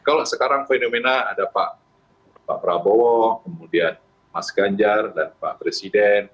kalau sekarang fenomena ada pak prabowo kemudian mas ganjar dan pak presiden